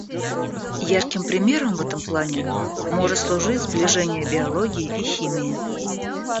Ярким примером в этом плане может служить сближение биологии и химии.